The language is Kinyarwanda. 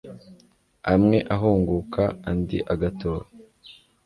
amwe ahunguka, andi agatoha